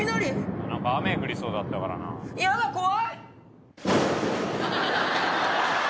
何か雨降りそうだったからなやだ怖い！